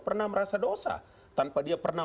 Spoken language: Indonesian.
pernah merasa dosa tanpa dia pernah